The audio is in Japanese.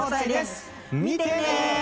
見てね！